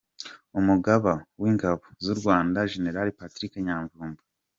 Umugaba w’ingabo z’u Rwanda Gen Patrick Nyamvumba